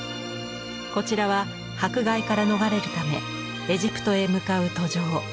こちらは迫害から逃れるためエジプトへ向かう途上。